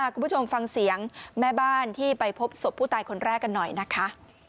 คุณผู้ชมฟังเสียงแม่บ้านที่ไปพบศพผู้ตายคนแรกกันหน่อยนะคะ